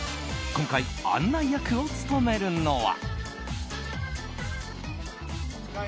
今回案内役を務めるのは。